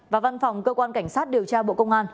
và văn phòng cơ quan cảnh sát điều tra bộ công an